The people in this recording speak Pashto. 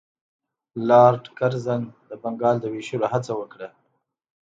لارډ کرزن د بنګال د ویشلو هڅه وکړه.